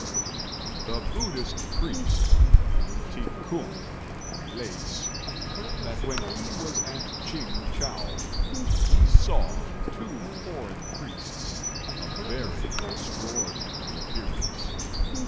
The Buddhist priest, T'i k'ung, relates that when he was at Ch'ing chou he saw two foreign priests of very extraordinary appearance.